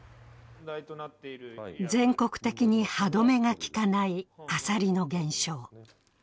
全国的に歯止めがきかないアサリの減少。